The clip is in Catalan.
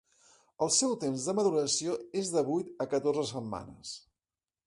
El seu temps de maduració és de vuit a catorze setmanes.